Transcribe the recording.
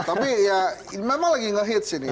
tapi ya memang lagi ngehits ini